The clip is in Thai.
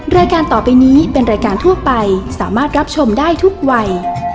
รายการต่อไปนี้เป็นรายการทั่วไปสามารถรับชมได้ทุกวัย